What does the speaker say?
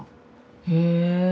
へえ。